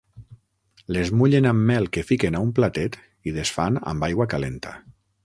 Les mullen amb mel que fiquen a un platet i desfan amb aigua calenta.